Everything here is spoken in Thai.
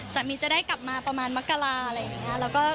สามีจะได้กลับมาประมาณมักกะลาอะไรอย่างนี้นะ